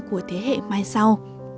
của thế hệ mai sau